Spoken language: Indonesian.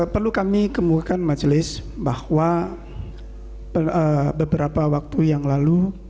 perlu kami kemurkan majelis bahwa beberapa waktu yang lalu